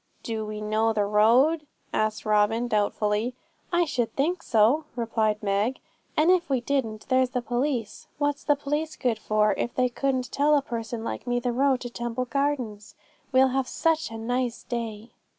'Do we know the road?' asked Robin doubtfully. 'I should think so!' replied Meg; 'and if we didn't, there's the police. What's the police good for, if they couldn't tell a person like me the road to Temple Gardens? We'll have such a nice day!'